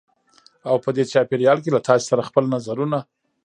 او په دې چاپېریال کې له تاسې سره خپل نظرونه